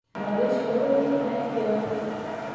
بارش ہو رہی ہے کیا؟